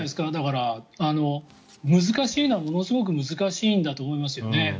だから難しいのはものすごく難しいんだと思いますよね。